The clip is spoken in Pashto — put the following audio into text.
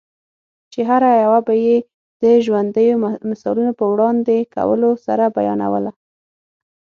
چي هره یوه به یې د ژوندییو مثالو په وړاندي کولو سره بیانوله؛